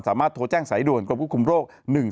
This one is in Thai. สามารถโทรแจ้งสายด่วนกรมควบคุมโรค๑๔